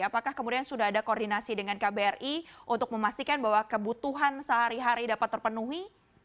apakah kemudian sudah ada koordinasi dengan kbri untuk memastikan bahwa kebutuhan sehari hari dapat terpenuhi